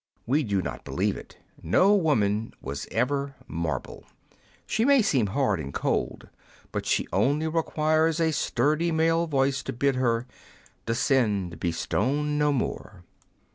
We do not believe it. No woman was ever marble. She may seem hard and cold, but she only requires a sturdy male voice to bid her Descend, be stone no more